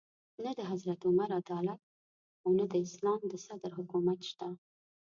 نه د حضرت عمر عدالت او نه د اسلام د صدر حکومت شته.